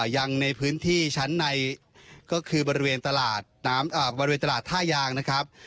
อย่างในพื้นที่ชั้นในก็คือบริเวณตลาดท่ายางนะครับ